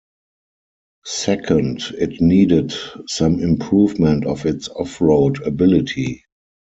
Second, it needed some improvement of its off-road ability.